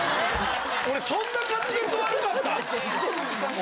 俺そんな滑舌悪かった？